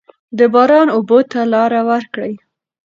د باران اوبو ته لاره ورکړئ.